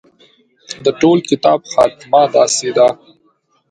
د ټول کتاب خاتمه داسې ده.